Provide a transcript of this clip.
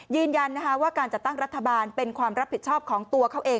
ยืนยันว่าการจัดตั้งรัฐบาลเป็นความรับผิดชอบของตัวเขาเอง